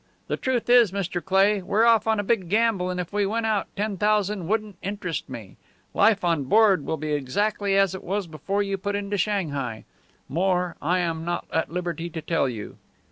The truth is, Mr. Cleigh, we're off on a big gamble, and if we win out ten thousand wouldn't interest me. Life on board will be exactly as it was before you put into Shanghai. More I am not at liberty to tell you."